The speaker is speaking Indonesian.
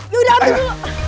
ya udah ambil dulu